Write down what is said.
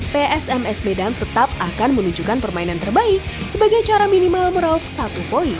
psms medan tetap akan menunjukkan permainan terbaik sebagai cara minimal meraup satu poin